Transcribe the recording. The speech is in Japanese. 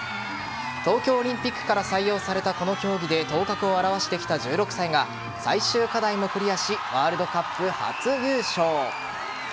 東京オリンピックから採用されたこの競技で頭角を現してきた１６歳が最終課題もクリアしワールドカップ初優勝。